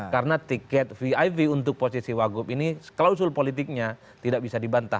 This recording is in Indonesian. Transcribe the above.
karena tiket viv untuk posisi wagup ini klausul politiknya tidak bisa dibantah